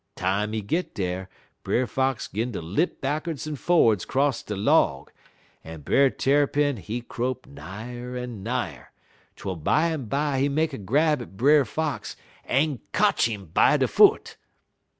Time he git dar, Brer Fox 'gun ter lip backerds en forerds 'cross de log, and Brer Tarrypin he crope nigher en nigher, twel bimeby he make a grab at Brer Fox en kotch him by de foot.